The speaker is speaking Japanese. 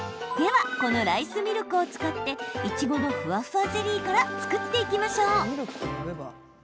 では、このライスミルクを使っていちごのふわふわゼリーから作っていきましょう。